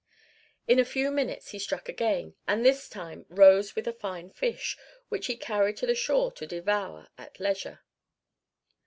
In a few minutes he struck again, and this time rose with a fine fish, which he carried to the shore to devour at leisure.